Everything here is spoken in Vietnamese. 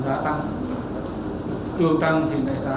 việc bắt tăng lông và